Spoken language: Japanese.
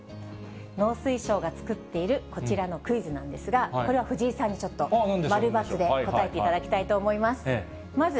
農水省が作っているこちらのクイズなんですが、これは藤井さんにちょっと、〇×で答えていただきたいと思います。